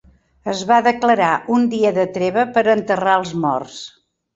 Es va declarar un dia de treva per enterrar els morts.